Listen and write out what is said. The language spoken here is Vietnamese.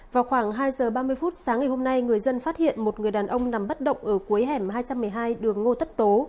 vào khoảng hai giờ ba mươi phút sáng ngày hôm nay người dân phát hiện một người đàn ông nằm bất động ở cuối hẻm hai trăm một mươi hai đường ngô tất tố